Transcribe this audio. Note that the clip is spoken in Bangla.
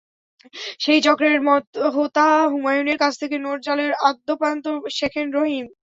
সেই চক্রের হোতা হুমায়ুনের কাছ থেকে নোট জালের আদ্যোপান্ত শেখেন রহিম।